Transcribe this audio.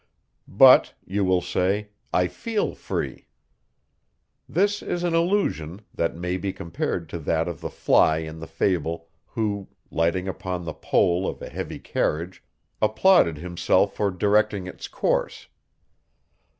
"But," you will say, "I feel free." This is an illusion, that may be compared to that of the fly in the fable, who, lighting upon the pole of a heavy carriage, applauded himself for directing its course.